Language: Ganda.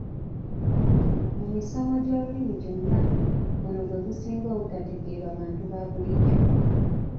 Mu misomo gy'olulimi gyonna, guno gwe gusinga obutategeerwa bantu ba bulijjo.